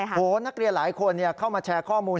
นักเรียนหลายคนเข้ามาแชร์ข้อมูล